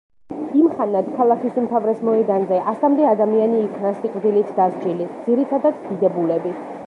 იმხანად ქალაქის უმთავრეს მოედანზე ასამდე ადამიანი იქნა სიკვდილით დასჯილი, ძირითადად, დიდებულები.